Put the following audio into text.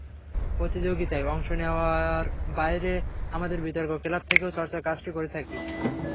প্রতিযোগিতায় অংশ নেওয়ার বাইরে আমাদের বিতর্ক ক্লাব থেকেও চর্চার কাজটি করে থাকি।